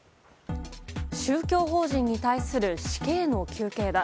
宗教法人に対する死刑の求刑だ。